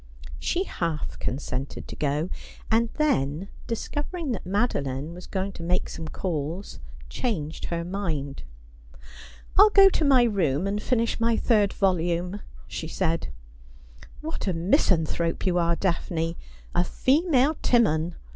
She half consented to go, and then, discovering that Made line was going to make some calls, changed her mind. ' I'll go to my room and finish my third volume,' she said. ' What a misanthrope you are. Daphne — a female Timon